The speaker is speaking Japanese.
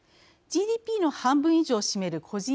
ＧＤＰの半分以上を占める個人